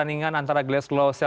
ketika ribuan orang menangis di kota